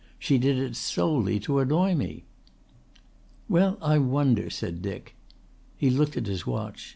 She did it solely to annoy me." "Well, I wonder," said Dick. He looked at his watch.